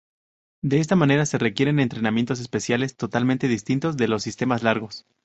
De esta manera se requieren entrenamientos especiales totalmente distintos de los sistemas largos.